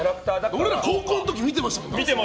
俺ら高校の時、見てましたよ。